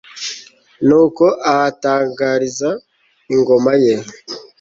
nuko ahatangariza ingoma ye